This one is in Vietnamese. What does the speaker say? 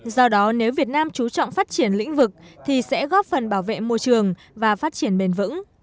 do đó nếu việt nam chú trọng phát triển lĩnh vực thì sẽ góp phần bảo vệ môi trường và phát triển bền vững